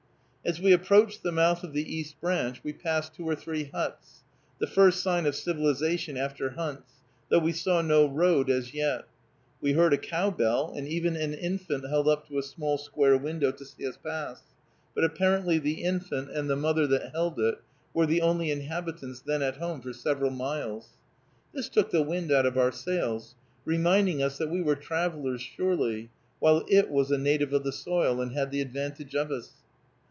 As we approached the mouth of the East Branch, we passed two or three huts, the first sign of civilization after Hunt's, though we saw no road as yet; we heard a cow bell, and even saw an infant held up to a small square window to see us pass, but apparently the infant and the mother that held it were the only inhabitants then at home for several miles. This took the wind out of our sails, reminding us that we were travelers surely, while it was a native of the soil, and had the advantage of us.